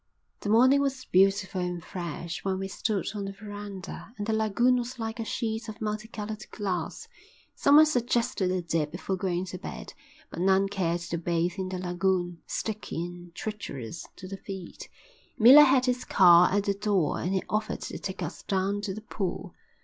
The morning was beautiful and fresh when we stood on the verandah, and the lagoon was like a sheet of multicoloured glass. Someone suggested a dip before going to bed, but none cared to bathe in the lagoon, sticky and treacherous to the feet. Miller had his car at the door and he offered to take us down to the pool.